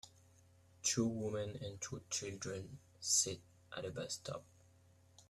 Two women and two children sit at a bus stop.